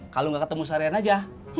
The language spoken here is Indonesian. kalo nggak ketemu sarian aja